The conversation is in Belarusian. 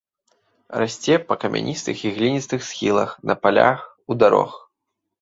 Расце па камяністых і гліністых схілах, на палях, у дарог.